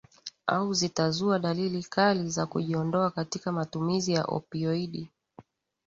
au zitazua dalili kali za kujiondoa katika matumizi ya opioidi